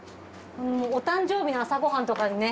お誕生日の朝ご飯とかにね。